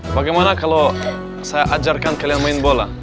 bagaimana kalau saya ajarkan kalian main bola